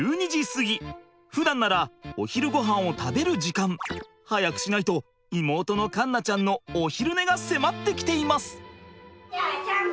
ふだんならお昼ごはんを食べる時間。早くしないと妹の環奈ちゃんのお昼寝が迫ってきています。